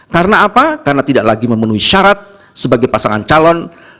karena apa karena tidak lagi memenuhi syarat sebagai pasangan calon